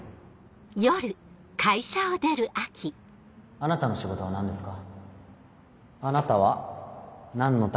あなたの仕事は何ですか？